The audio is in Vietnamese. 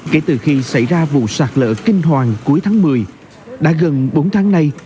kể từ khi xảy ra vụ sạt lỡ kinh hoàng cuối tháng một mươi đã gần bốn tháng nay